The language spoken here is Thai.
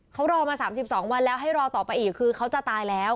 เขารอมา๓๒วันแล้วให้รอต่อไปอีกคือเขาจะตายแล้ว